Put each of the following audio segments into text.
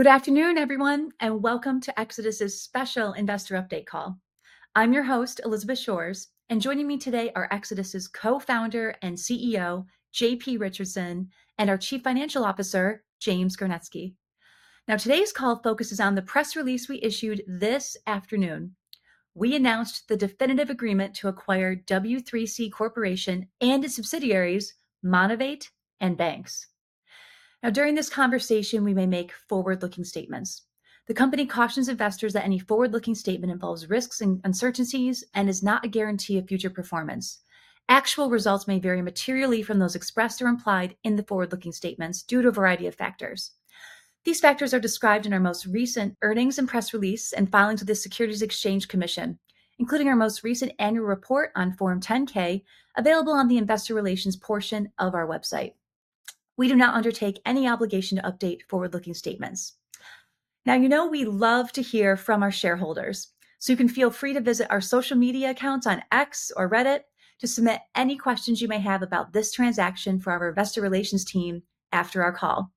Good afternoon, everyone, and welcome to Exodus' Special Investor Update Call. I'm your host, Elizabeth Shores, and joining me today are Exodus' Co-founder and CEO, J.P. Richardson, and our Chief Financial Officer, James Gernetzke. Now, today's call focuses on the press release we issued this afternoon. We announced the definitive agreement to acquire W3C Corporation and its subsidiaries, Monavate and Baanx. Now, during this conversation, we may make forward-looking statements. The company cautions investors that any forward-looking statement involves risks and uncertainties and is not a guarantee of future performance. Actual results may vary materially from those expressed or implied in the forward-looking statements due to a variety of factors. These factors are described in our most recent earnings and press release and filings with the Securities Exchange Commission, including our most recent annual report on Form 10-K, available on the Investor Relations portion of our website. We do not undertake any obligation to update forward-looking statements. Now, you know we love to hear from our shareholders, so you can feel free to visit our social media accounts on X or Reddit to submit any questions you may have about this transaction for our investor relations team after our call.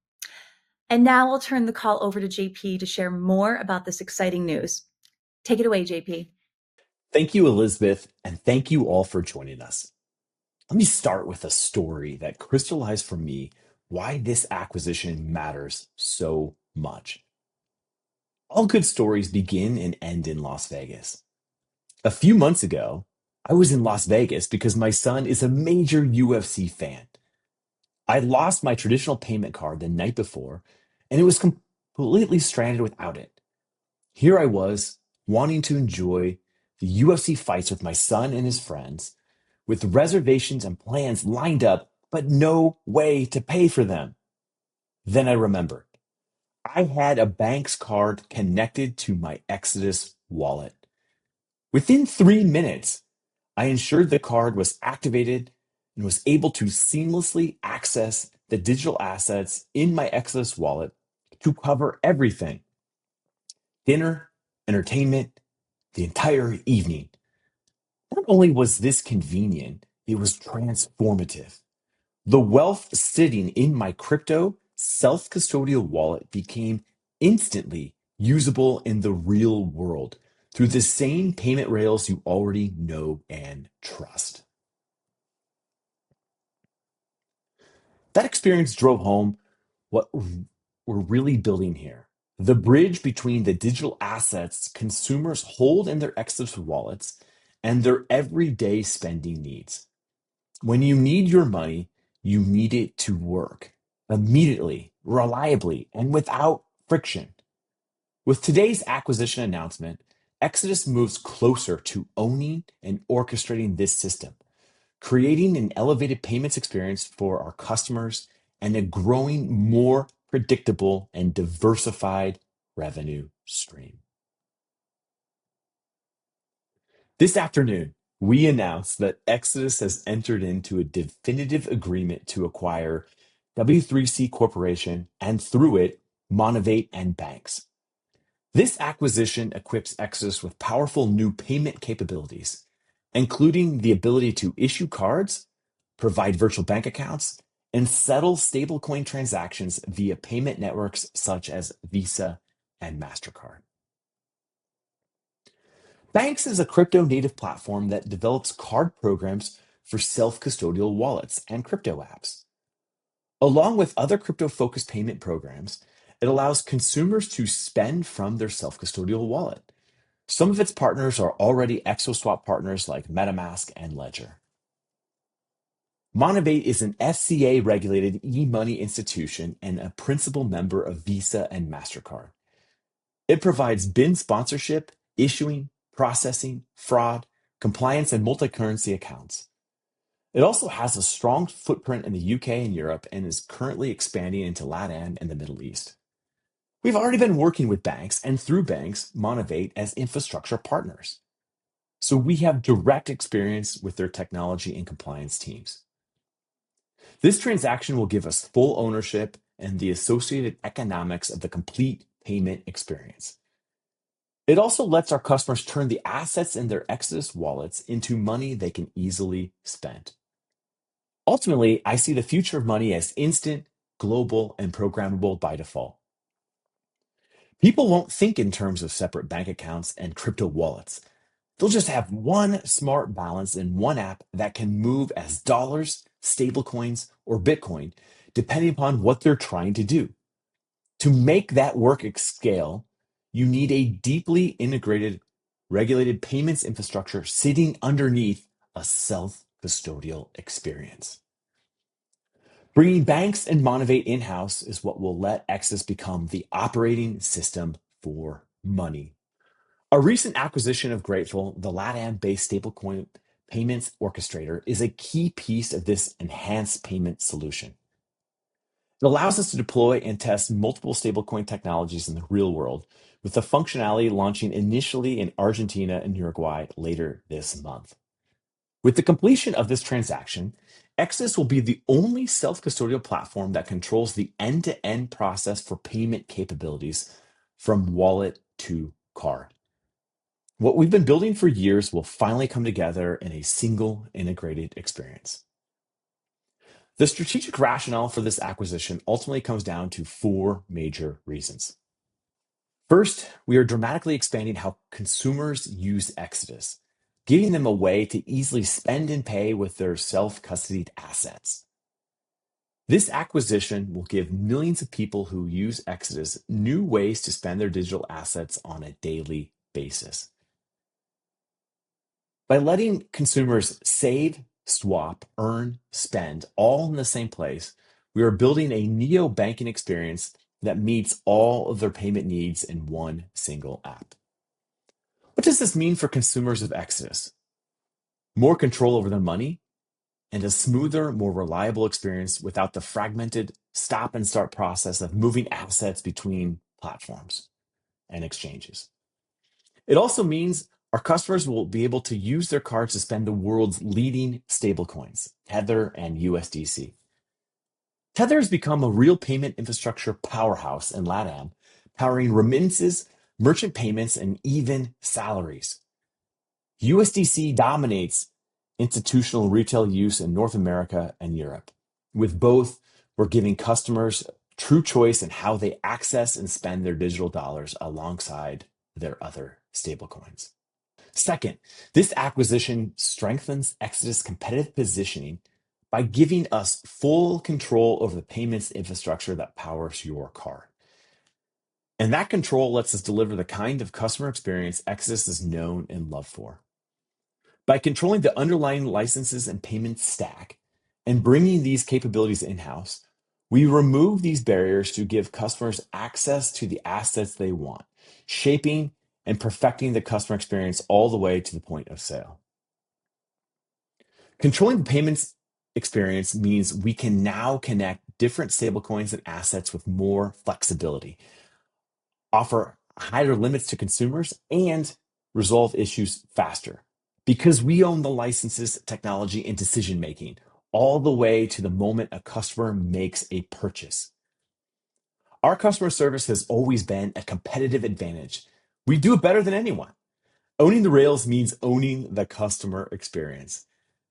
Now I'll turn the call over to J.P. to share more about this exciting news. Take it away, J.P. Thank you, Elizabeth, and thank you all for joining us. Let me start with a story that crystallized for me why this acquisition matters so much. All good stories begin and end in Las Vegas. A few months ago, I was in Las Vegas because my son is a major UFC fan. I lost my traditional payment card the night before, and I was completely stranded without it. Here I was, wanting to enjoy the UFC fights with my son and his friends, with reservations and plans lined up but no way to pay for them. I remembered I had a Baanx card connected to my Exodus wallet. Within three minutes, I ensured the card was activated and was able to seamlessly access the digital assets in my Exodus wallet to cover everything: dinner, entertainment, the entire evening. Not only was this convenient, it was transformative. The wealth sitting in my crypto self-custodial wallet became instantly usable in the real world through the same payment rails you already know and trust. That experience drove home what we're really building here: the bridge between the digital assets consumers hold in their Exodus wallets and their everyday spending needs. When you need your money, you need it to work immediately, reliably, and without friction. With today's acquisition announcement, Exodus moves closer to owning and orchestrating this system, creating an elevated payments experience for our customers and a growing, more predictable, and diversified revenue stream. This afternoon, we announced that Exodus has entered into a definitive agreement to acquire W3C Corporation and, through it, Monavate and Baanx. This acquisition equips Exodus with powerful new payment capabilities, including the ability to issue cards, provide virtual bank accounts, and settle stablecoin transactions via payment networks such as Visa and Mastercard. Baanx is a crypto-native platform that develops card programs for self-custodial wallets and crypto apps. Along with other crypto-focused payment programs, it allows consumers to spend from their self-custodial wallet. Some of its partners are already XO Swap partners like MetaMask and Ledger. Monavate is an FCA-regulated e-money institution and a principal member of Visa and Mastercard. It provides BIN sponsorship, issuing, processing, fraud, compliance, and multi-currency accounts. It also has a strong footprint in the U.K. and Europe and is currently expanding into LATAM and the Middle East. We have already been working with Baanx and, through Baanx, Monavate as infrastructure partners, so we have direct experience with their technology and compliance teams. This transaction will give us full ownership and the associated economics of the complete payment experience. It also lets our customers turn the assets in their Exodus wallets into money they can easily spend. Ultimately, I see the future of money as instant, global, and programmable by default. People won't think in terms of separate bank accounts and crypto wallets. They'll just have one smart balance and one app that can move as dollars, stablecoins, or Bitcoin, depending upon what they're trying to do. To make that work at scale, you need a deeply integrated, regulated payments infrastructure sitting underneath a self-custodial experience. Bringing Baanx and Monavate in-house is what will let Exodus become the operating system for money. Our recent acquisition of Grateful, the LATAM-based stablecoin payments orchestrator, is a key piece of this enhanced payment solution. It allows us to deploy and test multiple stablecoin technologies in the real world, with the functionality launching initially in Argentina and Uruguay later this month. With the completion of this transaction, Exodus will be the only self-custodial platform that controls the end-to-end process for payment capabilities from wallet to card. What we've been building for years will finally come together in a single, integrated experience. The strategic rationale for this acquisition ultimately comes down to four major reasons. First, we are dramatically expanding how consumers use Exodus, giving them a way to easily spend and pay with their self-custodied assets. This acquisition will give millions of people who use Exodus new ways to spend their digital assets on a daily basis. By letting consumers save, swap, earn, spend all in the same place, we are building a neobanking experience that meets all of their payment needs in one single app. What does this mean for consumers of Exodus? More control over their money and a smoother, more reliable experience without the fragmented stop-and-start process of moving assets between platforms and exchanges. It also means our customers will be able to use their cards to spend the world's leading stablecoins, Tether and USDC. Tether has become a real payment infrastructure powerhouse in LATAM, powering remittances, merchant payments, and even salaries. USDC dominates institutional retail use in North America and Europe, with both giving customers true choice in how they access and spend their digital dollars alongside their other stablecoins. Second, this acquisition strengthens Exodus' competitive positioning by giving us full control over the payments infrastructure that powers your card. That control lets us deliver the kind of customer experience Exodus is known and loved for. By controlling the underlying licenses and payment stack and bringing these capabilities in-house, we remove these barriers to give customers access to the assets they want, shaping and perfecting the customer experience all the way to the point of sale. Controlling the payments experience means we can now connect different stablecoins and assets with more flexibility, offer higher limits to consumers, and resolve issues faster because we own the licenses, technology, and decision-making all the way to the moment a customer makes a purchase. Our customer service has always been a competitive advantage. We do it better than anyone. Owning the rails means owning the customer experience.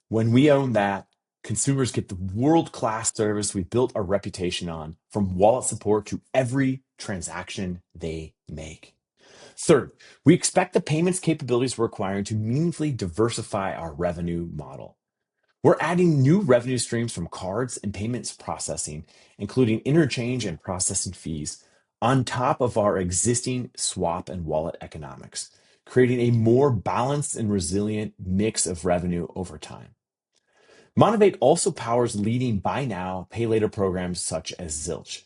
When we own that, consumers get the world-class service we've built a reputation on, from wallet support to every transaction they make. Third, we expect the payments capabilities we're acquiring to meaningfully diversify our revenue model. We're adding new revenue streams from cards and payments processing, including interchange and processing fees, on top of our existing swap and wallet economics, creating a more balanced and resilient mix of revenue over time. Monavate also powers leading buy-now, pay-later programs such as Zilch.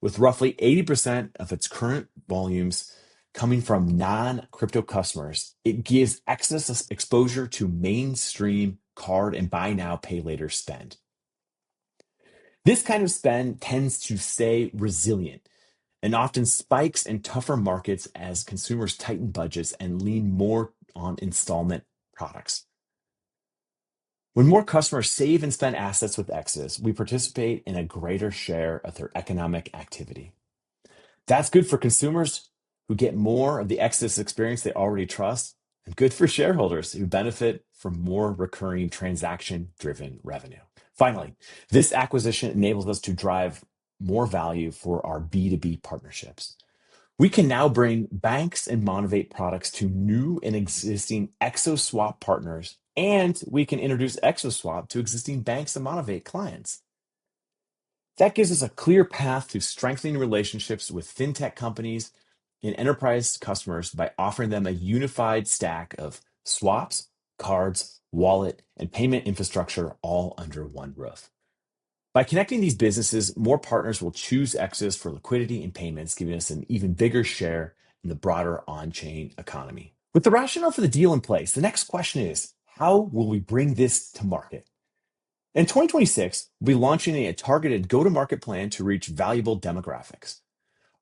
With roughly 80% of its current volumes coming from non-crypto customers, it gives Exodus exposure to mainstream card and buy-now, pay-later spend. This kind of spend tends to stay resilient and often spikes in tougher markets as consumers tighten budgets and lean more on installment products. When more customers save and spend assets with Exodus, we participate in a greater share of their economic activity. That's good for consumers who get more of the Exodus experience they already trust and good for shareholders who benefit from more recurring transaction-driven revenue. Finally, this acquisition enables us to drive more value for our B2B partnerships. We can now bring Baanx and Monavate products to new and existing XO Swap partners, and we can introduce XO Swap to existing Baanx and Monavate clients. That gives us a clear path to strengthening relationships with fintech companies and enterprise customers by offering them a unified stack of swaps, cards, wallet, and payment infrastructure all under one roof. By connecting these businesses, more partners will choose Exodus for liquidity and payments, giving us an even bigger share in the broader on-chain economy. With the rationale for the deal in place, the next question is, how will we bring this to market? In 2026, we'll be launching a targeted go-to-market plan to reach valuable demographics.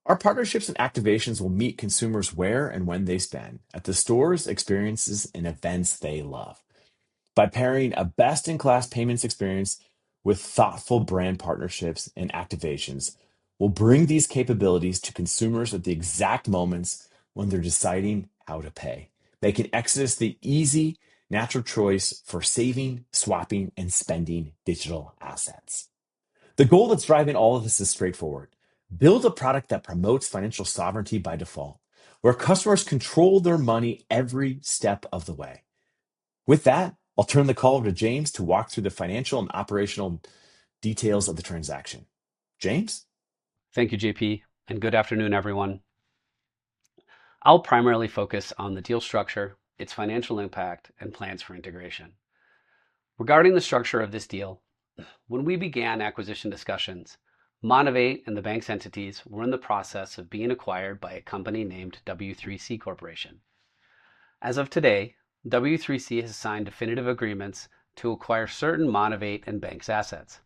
Our partnerships and activations will meet consumers where and when they spend, at the stores, experiences, and events they love. By pairing a best-in-class payments experience with thoughtful brand partnerships and activations, we'll bring these capabilities to consumers at the exact moments when they're deciding how to pay. Making Exodus the easy, natural choice for saving, swapping, and spending digital assets. The goal that's driving all of this is straightforward: build a product that promotes financial sovereignty by default, where customers control their money every step of the way. With that, I'll turn the call over to James to walk through the financial and operational details of the transaction. James. Thank you, J.P., and good afternoon, everyone. I'll primarily focus on the deal structure, its financial impact, and plans for integration. Regarding the structure of this deal, when we began acquisition discussions, Monavate and the Baanx entities were in the process of being acquired by a company named W3C Corporation. As of today, W3C has signed definitive agreements to acquire certain Monavate and Baanx assets.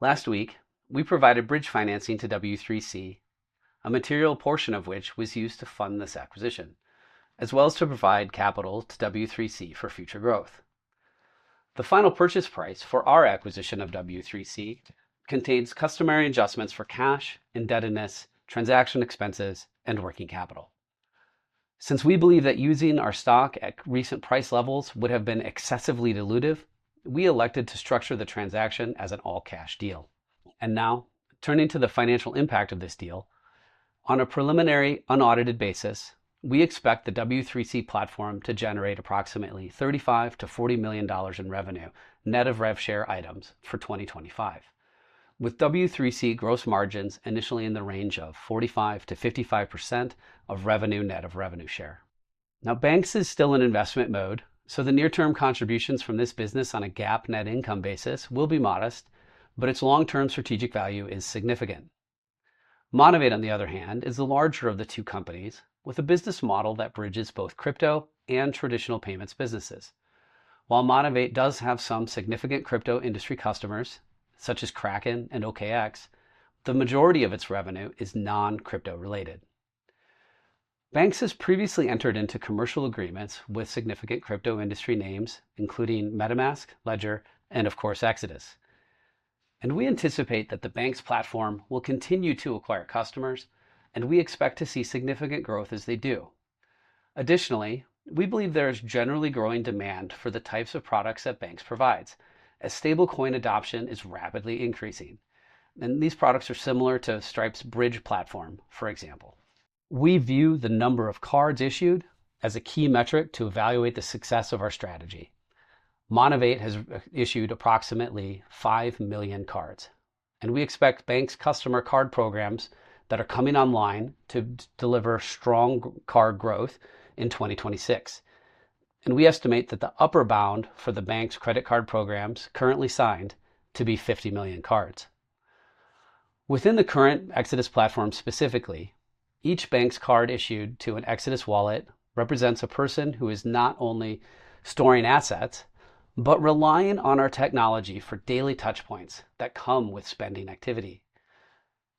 Last week, we provided bridge financing to W3C, a material portion of which was used to fund this acquisition, as well as to provide capital to W3C for future growth. The final purchase price for our acquisition of W3C contains customary adjustments for cash, indebtedness, transaction expenses, and working capital. Since we believe that using our stock at recent price levels would have been excessively dilutive, we elected to structure the transaction as an all-cash deal. Now, turning to the financial impact of this deal, on a preliminary unaudited basis, we expect the W3C platform to generate approximately $35 million-$40 million in revenue, net of rev share items, for 2025, with W3C gross margins initially in the range of 45%-55% of revenue net of revenue share. Now, Baanx is still in investment mode, so the near-term contributions from this business on a GAAP net income basis will be modest, but its long-term strategic value is significant. Monavate, on the other hand, is the larger of the two companies, with a business model that bridges both crypto and traditional payments businesses. While Monavate does have some significant crypto industry customers, such as Kraken and OKX, the majority of its revenue is non-crypto related. Baanx has previously entered into commercial agreements with significant crypto industry names, including MetaMask, Ledger, and, of course, Exodus. We anticipate that the Baanx platform will continue to acquire customers, and we expect to see significant growth as they do. Additionally, we believe there is generally growing demand for the types of products that Baanx provides, as stablecoin adoption is rapidly increasing. These products are similar to Stripe's Bridge platform, for example. We view the number of cards issued as a key metric to evaluate the success of our strategy. Monavate has issued approximately 5 million cards, and we expect Baanx customer card programs that are coming online to deliver strong card growth in 2026. We estimate that the upper bound for the Baanx credit card programs currently signed to be 50 million cards. Within the current Exodus platform specifically, each Baanx card issued to an Exodus wallet represents a person who is not only storing assets but relying on our technology for daily touchpoints that come with spending activity,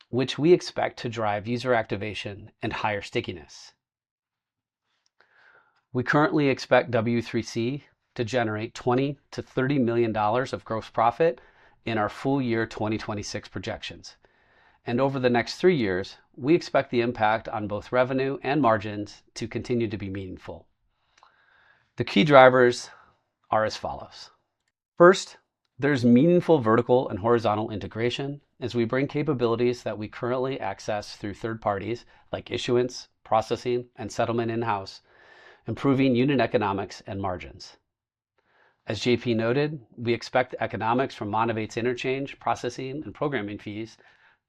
which we expect to drive user activation and higher stickiness. We currently expect W3C to generate $20 million-$30 million of gross profit in our full year 2026 projections. Over the next three years, we expect the impact on both revenue and margins to continue to be meaningful. The key drivers are as follows. First, there is meaningful vertical and horizontal integration as we bring capabilities that we currently access through third parties like issuance, processing, and settlement in-house, improving unit economics and margins. As J.P. Noted, we expect the economics from Monavate's interchange, processing, and programming fees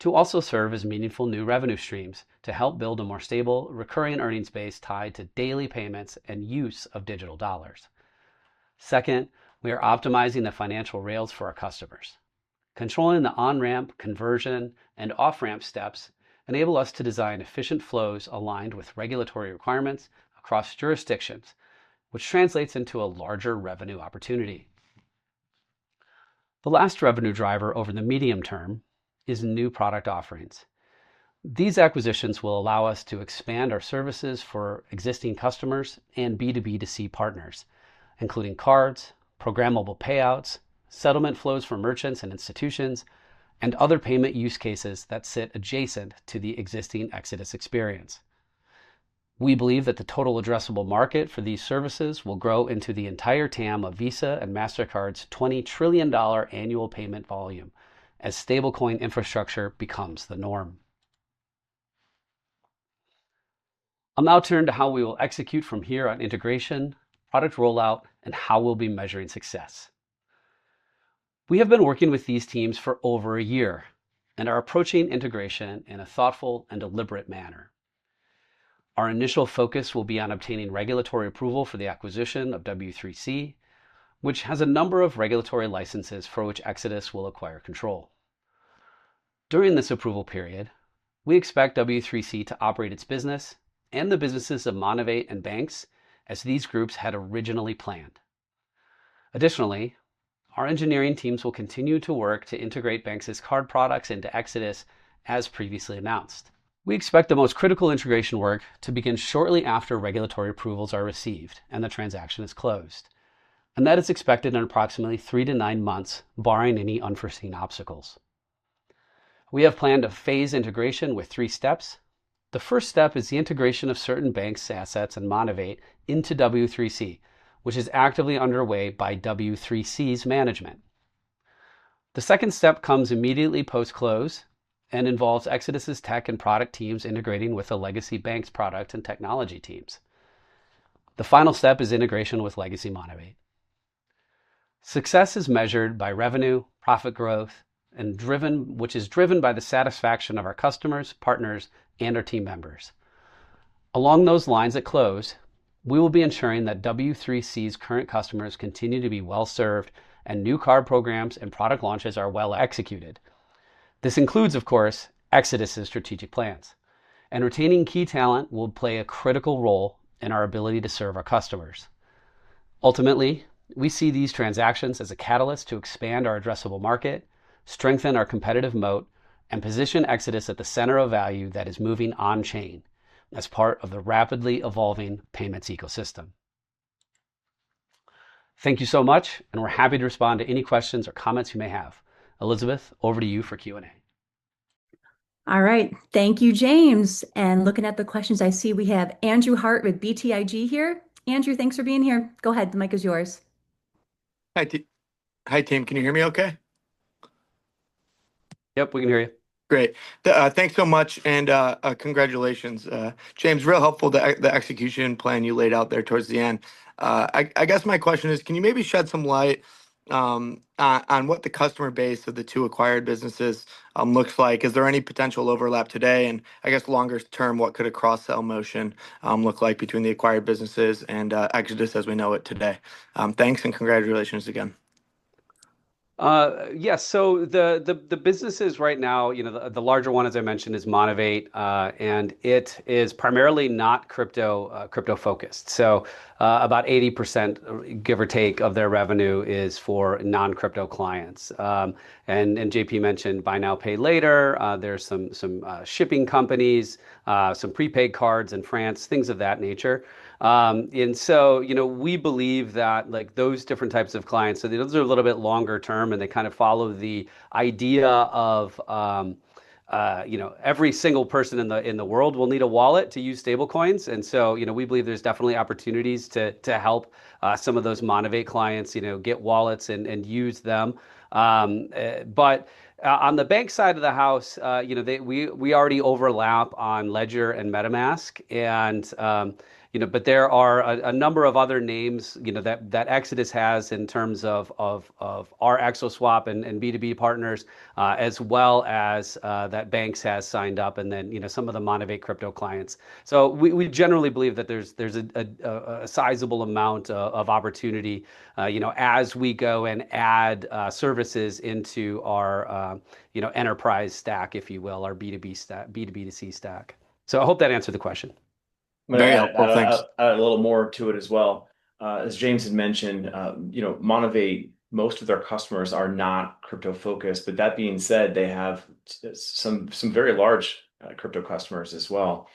to also serve as meaningful new revenue streams to help build a more stable, recurring earnings base tied to daily payments and use of digital dollars. Second, we are optimizing the financial rails for our customers. Controlling the on-ramp, conversion, and off-ramp steps enables us to design efficient flows aligned with regulatory requirements across jurisdictions, which translates into a larger revenue opportunity. The last revenue driver over the medium term is new product offerings. These acquisitions will allow us to expand our services for existing customers and B2B to C partners, including cards, programmable payouts, settlement flows for merchants and institutions, and other payment use cases that sit adjacent to the existing Exodus experience. We believe that the total addressable market for these services will grow into the entire TAM of Visa and Mastercard's $20 trillion annual payment volume as stablecoin infrastructure becomes the norm. I'll now turn to how we will execute from here on integration, product rollout, and how we'll be measuring success. We have been working with these teams for over a year and are approaching integration in a thoughtful and deliberate manner. Our initial focus will be on obtaining regulatory approval for the acquisition of W3C, which has a number of regulatory licenses for which Exodus will acquire control. During this approval period, we expect W3C to operate its business and the businesses of Monavate and Baanx as these groups had originally planned. Additionally, our engineering teams will continue to work to integrate Baanx's card products into Exodus as previously announced. We expect the most critical integration work to begin shortly after regulatory approvals are received and the transaction is closed, and that is expected in approximately three to nine months, barring any unforeseen obstacles. We have planned a phased integration with three steps. The first step is the integration of certain Baanx assets and Monavate into W3C, which is actively underway by W3C's management. The second step comes immediately post-close and involves Exodus' tech and product teams integrating with the legacy Baanx product and technology teams. The final step is integration with legacy Monavate. Success is measured by revenue, profit growth, which is driven by the satisfaction of our customers, partners, and our team members. Along those lines at close, we will be ensuring that W3C's current customers continue to be well-served and new card programs and product launches are well executed. This includes, of course, Exodus' strategic plans, and retaining key talent will play a critical role in our ability to serve our customers. Ultimately, we see these transactions as a catalyst to expand our addressable market, strengthen our competitive moat, and position Exodus at the center of value that is moving on-chain as part of the rapidly evolving payments ecosystem. Thank you so much, and we're happy to respond to any questions or comments you may have. Elizabeth, over to you for Q&A. All right. Thank you, James. Looking at the questions, I see we have Andrew Harte with BTIG here. Andrew, thanks for being here. Go ahead. The mic is yours. Hi, team. Can you hear me okay? Yep, we can hear you. Great. Thanks so much, and congratulations. James, real helpful, the execution plan you laid out there towards the end. I guess my question is, can you maybe shed some light on what the customer base of the two acquired businesses looks like? Is there any potential overlap today? I guess longer term, what could a cross-sell motion look like between the acquired businesses and Exodus as we know it today? Thanks and congratulations again. Yes. The businesses right now, the larger one, as I mentioned, is Monavate, and it is primarily not crypto-focused. About 80%, give or take, of their revenue is for non-crypto clients. J.P. mentioned buy-now, pay-later. There are some shipping companies, some prepaid cards in France, things of that nature. We believe that those different types of clients, those are a little bit longer term, and they kind of follow the idea of every single person in the world will need a wallet to use stablecoins. We believe there are definitely opportunities to help some of those Monavate clients get wallets and use them. On the Baanx side of the house, we already overlap on Ledger and MetaMask, but there are a number of other names that Exodus has in terms of our XO Swap and B2B partners, as well as that Baanx has signed up and then some of the Monavate crypto clients. We generally believe that there is a sizable amount of opportunity as we go and add services into our enterprise stack, if you will, our B2B to C stack. I hope that answered the question. Very helpful. Thanks. A little more to it as well. As James had mentioned, Monavate, most of their customers are not crypto-focused, but that being said, they have some very large crypto customers as well.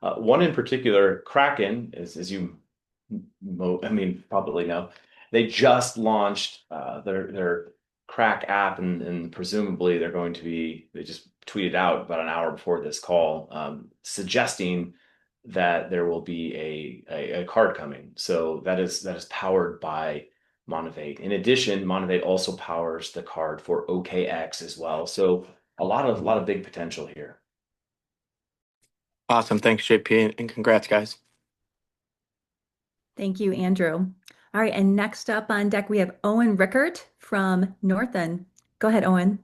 One in particular, Kraken, as you probably know, they just launched their Krak app, and presumably they're going to be, they just tweeted out about an hour before this call suggesting that there will be a card coming. That is powered by Monavate. In addition, Monavate also powers the card for OKX as well. A lot of big potential here. Awesome. Thanks, J.P., and congrats, guys. Thank you, Andrew. All right. Next up on deck, we have Owen Rickert from Northland. Go ahead, Owen.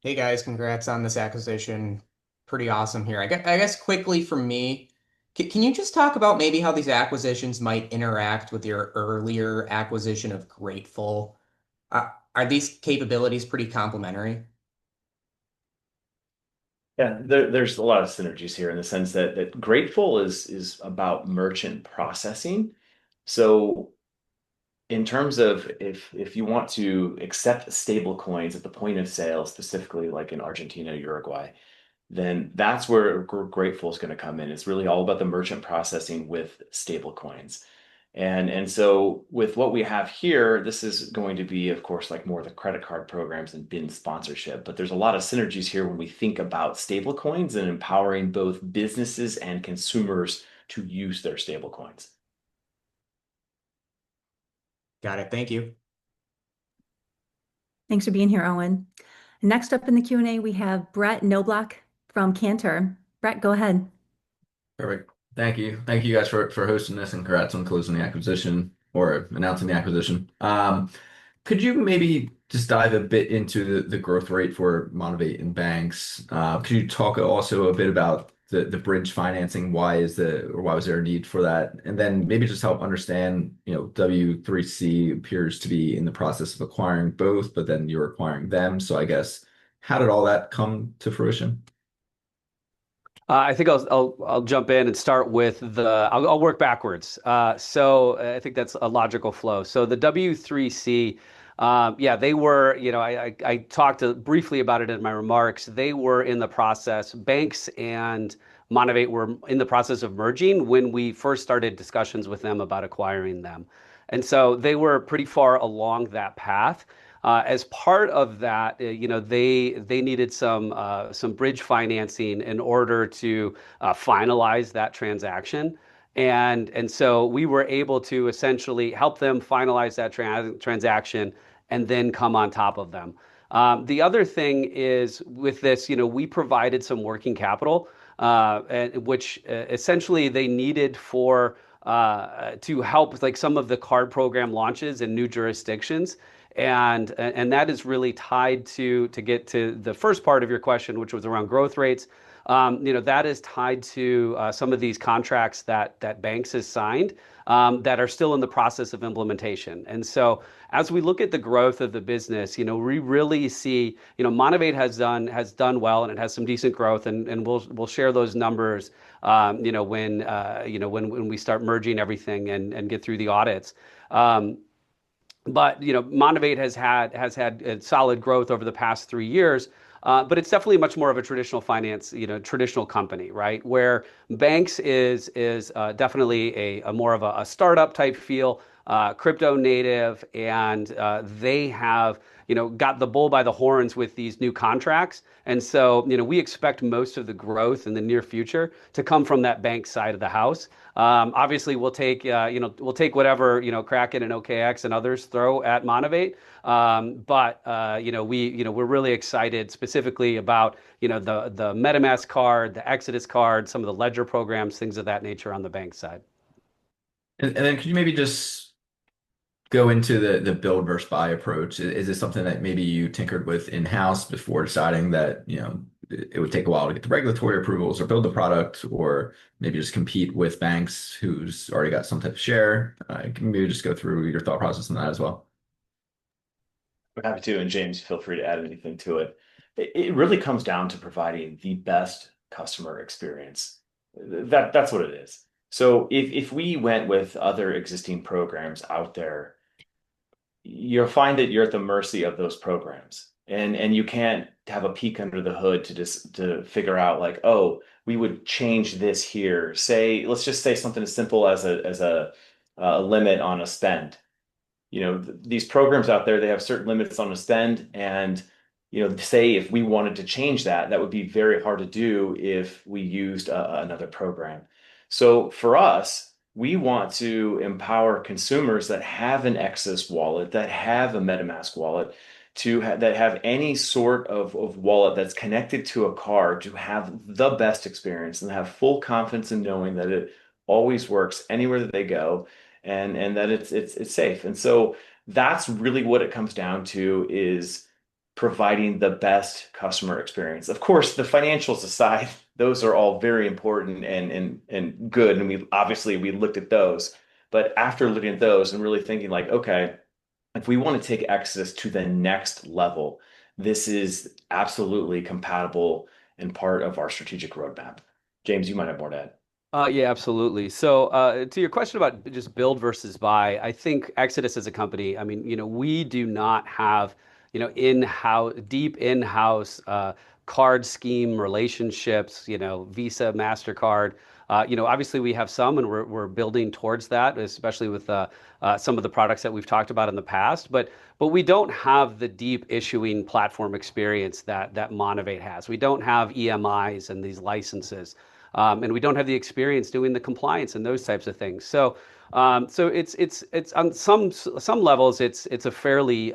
Hey, guys. Congrats on this acquisition. Pretty awesome here. I guess quickly for me, can you just talk about maybe how these acquisitions might interact with your earlier acquisition of Grateful? Are these capabilities pretty complementary? Yeah. There's a lot of synergies here in the sense that Grateful is about merchant processing. In terms of if you want to accept stablecoins at the point of sale, specifically like in Argentina or Uruguay, then that's where Grateful is going to come in. It's really all about the merchant processing with stablecoins. With what we have here, this is going to be, of course, like more of the credit card programs and BIN sponsorship, but there's a lot of synergies here when we think about stablecoins and empowering both businesses and consumers to use their stablecoins. Got it. Thank you. Thanks for being here, Owen. Next up in the Q&A, we have Brett Knoblauch from Cantor. Brett, go ahead. Perfect. Thank you. Thank you, guys, for hosting this and congrats on closing the acquisition or announcing the acquisition. Could you maybe just dive a bit into the growth rate for Monavate and Baanx? Could you talk also a bit about the bridge financing? Why is there a need for that? Maybe just help understand W3C appears to be in the process of acquiring both, but then you are acquiring them. I guess, how did all that come to fruition? I think I'll jump in and start with the I'll work backwards. I think that's a logical flow. The W3C, yeah, I talked briefly about it in my remarks. They were in the process. Baanx and Monavate were in the process of merging when we first started discussions with them about acquiring them. They were pretty far along that path. As part of that, they needed some bridge financing in order to finalize that transaction. We were able to essentially help them finalize that transaction and then come on top of them. The other thing is with this, we provided some working capital, which essentially they needed to help with some of the card program launches in new jurisdictions. That is really tied to get to the first part of your question, which was around growth rates. That is tied to some of these contracts that Baanx has signed that are still in the process of implementation. As we look at the growth of the business, we really see Monavate has done well, and it has some decent growth, and we'll share those numbers when we start merging everything and get through the audits. Monavate has had solid growth over the past three years, but it's definitely much more of a traditional finance, traditional company, where Baanx is definitely more of a startup-type feel, crypto-native, and they have got the bull by the horns with these new contracts. We expect most of the growth in the near future to come from that Baanx side of the house. Obviously, we'll take whatever Kraken and OKX and others throw at Monavate, but we're really excited specifically about the MetaMask card, the Exodus card, some of the Ledger programs, things of that nature on the Baanx side. Could you maybe just go into the build versus buy approach? Is this something that maybe you tinkered with in-house before deciding that it would take a while to get the regulatory approvals or build the product or maybe just compete with Baanx who's already got some type of share? Can you maybe just go through your thought process on that as well? I'm happy to, and James, feel free to add anything to it. It really comes down to providing the best customer experience. That's what it is. If we went with other existing programs out there, you'll find that you're at the mercy of those programs, and you can't have a peek under the hood to figure out, like, "Oh, we would change this here." Let's just say something as simple as a limit on a spend. These programs out there, they have certain limits on a spend, and say if we wanted to change that, that would be very hard to do if we used another program. For us, we want to empower consumers that have an Exodus wallet, that have a MetaMask wallet, that have any sort of wallet that's connected to a card to have the best experience and have full confidence in knowing that it always works anywhere that they go and that it's safe. That is really what it comes down to, providing the best customer experience. Of course, the financials aside, those are all very important and good, and obviously, we looked at those. After looking at those and really thinking like, "Okay, if we want to take Exodus to the next level, this is absolutely compatible and part of our strategic roadmap." James, you might have more to add. Yeah, absolutely. To your question about just build versus buy, I think Exodus as a company, I mean, we do not have deep in-house card scheme relationships, Visa, Mastercard. Obviously, we have some, and we're building towards that, especially with some of the products that we've talked about in the past, but we don't have the deep issuing platform experience that Monavate has. We don't have EMIs and these licenses, and we don't have the experience doing the compliance and those types of things. On some levels, it's a fairly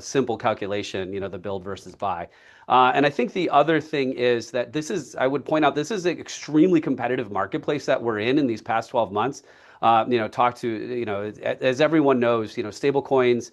simple calculation, the build versus buy. I think the other thing is that this is, I would point out, this is an extremely competitive marketplace that we're in in these past 12 months. As everyone knows, stablecoins,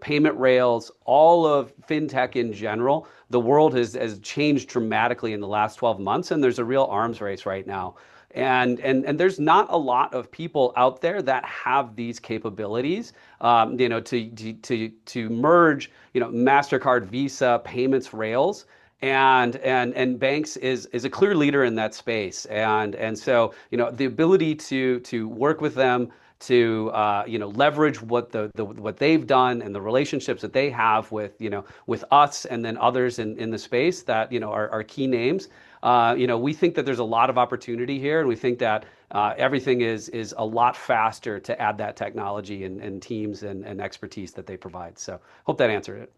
payment rails, all of fintech in general, the world has changed dramatically in the last 12 months, and there's a real arms race right now. There's not a lot of people out there that have these capabilities to merge Mastercard, Visa, payment rails, and Baanx is a clear leader in that space. The ability to work with them, to leverage what they've done and the relationships that they have with us and then others in the space that are key names, we think that there's a lot of opportunity here, and we think that everything is a lot faster to add that technology and teams and expertise that they provide. Hope that answered it.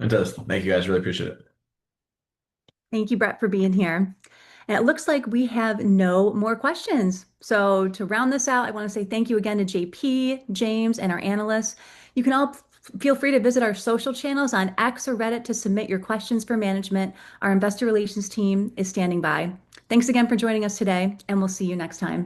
Fantastic. Thank you, guys. Really appreciate it. Thank you, Brett, for being here. It looks like we have no more questions. To round this out, I want to say thank you again to J.P., James, and our analysts. You can all feel free to visit our social channels on X or Reddit to submit your questions for management. Our investor relations team is standing by. Thanks again for joining us today, and we'll see you next time.